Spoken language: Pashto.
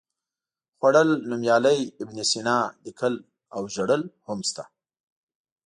خوړل، نومیالی، ابن سینا، لیکل او ژړل هم شته.